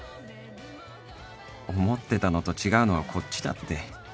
思ってたのと違うのはこっちだって